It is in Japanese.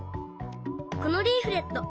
このリーフレット